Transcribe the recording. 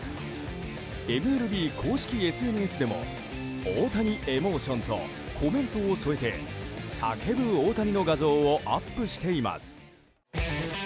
ＭＬＢ公式ＳＮＳでもオオタニエモーションとコメントを添えて、叫ぶ大谷の画像をアップしています。